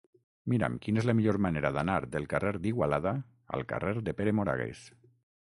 Mira'm quina és la millor manera d'anar del carrer d'Igualada al carrer de Pere Moragues.